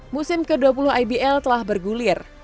musim ke dua puluh ibl telah bergulir